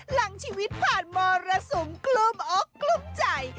หลังชีวิตผ่านมรสุมกลุ้มอกกลุ้มใจ